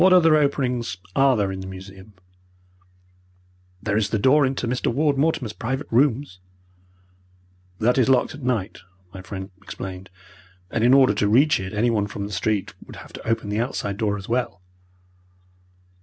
"What other openings are there in the museum?" "There is the door into Mr. Ward Mortimer's private rooms." "That is locked at night," my friend explained, "and in order to reach it anyone from the street would have to open the outside door as well."